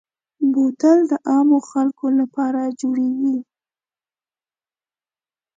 بوتل د عامو خلکو لپاره جوړېږي.